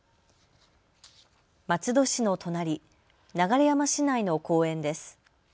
松戸市の隣、流山市内の公園です。